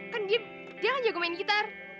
kan dia dia yang jago main gitar